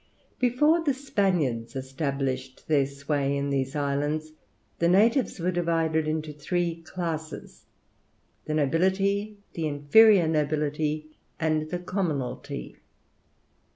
Before the Spaniards established their sway in these islands, the natives were divided into three classes, the nobility, the inferior nobility, and the commonalty.